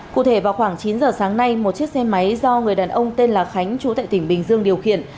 cụ thể vào khoảng chín giờ sáng nay một chiếc xe máy do người đàn ông tên là khánh chú tại tỉnh bình dương điều khiển